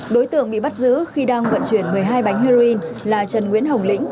đối tượng bị bắt giữ khi đang vận chuyển một mươi hai bánh heroin là trần nguyễn hồng lĩnh